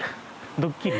ドッキリ？